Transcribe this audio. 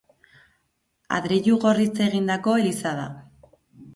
Adreilu gorriz egindako eliza da.